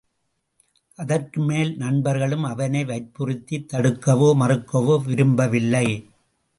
அதற்குமேல் நண்பர்களும் அவனை வற்புறுத்தித் தடுக்கவோ மறுக்கவோ விரும்பவில்லை.